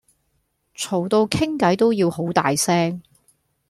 嘈到傾計都要好大聲